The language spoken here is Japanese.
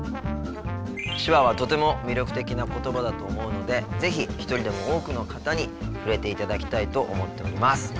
手話はとても魅力的な言葉だと思うので是非一人でも多くの方に触れていただきたいと思っております。